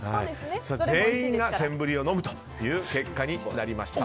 全員がセンブリを飲むという結果になりました。